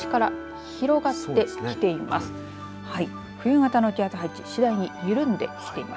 冬型の気圧配置次第に緩んできています。